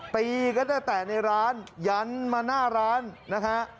ตีกันตั้งแต่ในร้านยันมาหน้าร้านนะฮะ